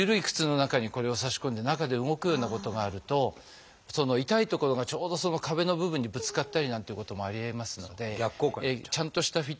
靴の中にこれを差し込んで中で動くようなことがあるとその痛い所がちょうど壁の部分にぶつかったりなんていうこともありえますのでちゃんとした